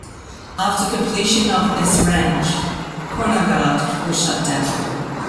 After completion of Esrange Kronogard was shut down.